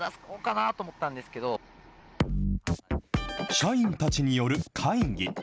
社員たちによる会議。